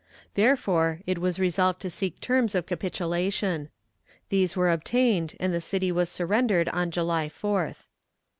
Therefore, it was resolved to seek terms of capitulation. These were obtained, and the city was surrendered on July 4th.